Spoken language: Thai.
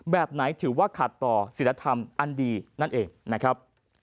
แบบไหนถือว่าขัดต่อศิลธรรมอันดีนั่นเองนะครับ